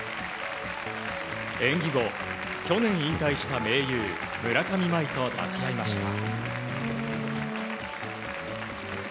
演技後、去年引退した盟友・村上茉愛と抱き合いました。